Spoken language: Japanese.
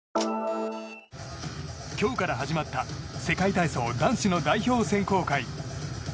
今日から始まった世界体操男子の代表選考会。